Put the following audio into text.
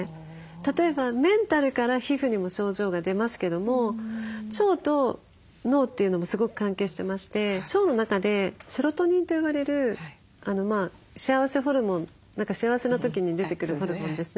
例えばメンタルから皮膚にも症状が出ますけども腸と脳というのもすごく関係してまして腸の中でセロトニンと呼ばれる幸せホルモン幸せな時に出てくるホルモンですね。